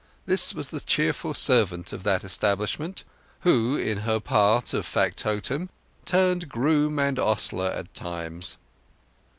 This was the cheerful servant of that establishment, who, in her part of factotum, turned groom and ostler at times.